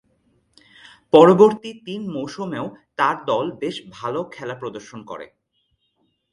পরবর্তী তিন মৌসুমেও তার দল বেশ ভালো খেলা প্রদর্শন করে।